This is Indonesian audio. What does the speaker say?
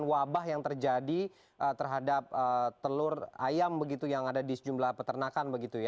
dan wabah yang terjadi terhadap telur ayam yang ada di sejumlah peternakan